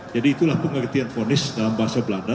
jadi itulah pengertian ponis dalam bahasa belanda